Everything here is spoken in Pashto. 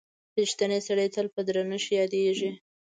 • رښتینی سړی تل په درنښت یادیږي.